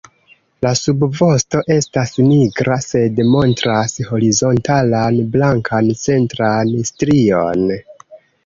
La subvosto estas nigra sed montras horizontalan blankan centran strion.